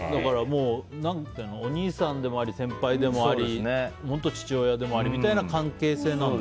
お兄さんでもあり先輩でもあり本当、父親でもありみたいな関係性何だ。